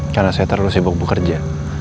karena saya terlalu sibuk bekerja